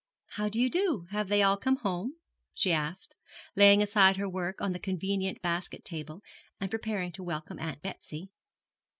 'How do you do? Have they all come home?' she asked, laying aside her work on the convenient basket table and preparing to welcome Aunt Betsy.